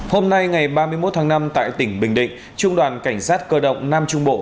hôm nay ngày ba mươi một tháng năm tại tỉnh bình định trung đoàn cảnh sát cơ động nam trung bộ